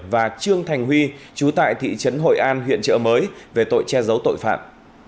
và trương thành huy chú tại thị trấn hội an huyện trợ mới về tội che giấu tội phạm